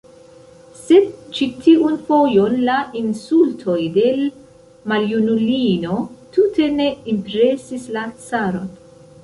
Sed ĉi tiun fojon la insultoj de l' maljunulino tute ne impresis la caron.